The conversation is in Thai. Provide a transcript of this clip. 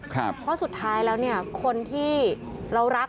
เพราะสุดท้ายแล้วเนี่ยคนที่เรารัก